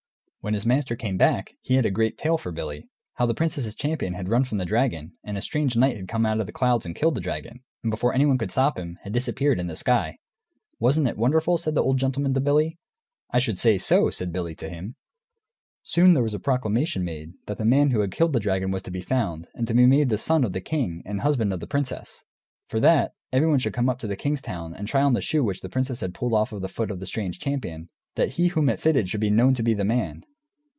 When his master came back, he had a great tale for Billy, how the princess's champion had run from the dragon, and a strange knight had come out of the clouds and killed the dragon, and before anyone could stop him had disappeared in the sky. "Wasn't it wonderful?" said the old gentleman to Billy. "I should say so," said Billy to him. Soon there was proclamation made that the man who killed the dragon was to be found, and to be made son of the king and husband of the princess; for that, everyone should come up to the king's town and try on the shoe which the princess had pulled from off the foot of the strange champion, that he whom it fitted should be known to be the man.